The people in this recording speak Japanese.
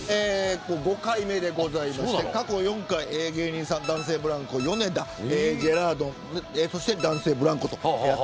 ５回目でして過去４回芸人さん男性ブランコ、ヨネダジェラードンそして男性ブランコと。